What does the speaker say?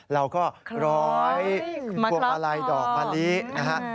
เราก็ร้อยพวงมาลัยดอกมะลินะฮะ